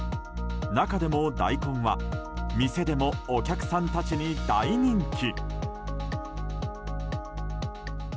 中でも大根は店でもお客さんたちに大人気。